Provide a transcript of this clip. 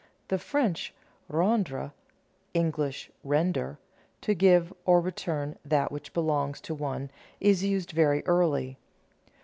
The French rendre (English render), to give or return that which belongs to one, is used very early.